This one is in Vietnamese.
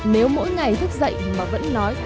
nếu mỗi ngày thức dậy mà vẫn nói